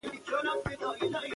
هغو عرض وكړ: